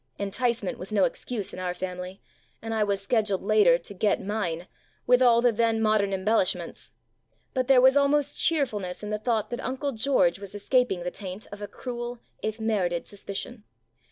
Enticement was no excuse in our family, and I was scheduled later to "get mine" with all the then modern embellish ments ; but there was almost cheerfulness in the thought that Uncle George was escaping the taint of a cruel, if merited, suspicion.